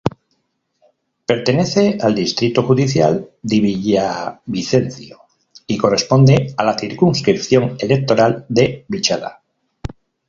Pertenece al distrito judicial de Villavicencio y corresponde a la circunscripción electoral de Vichada.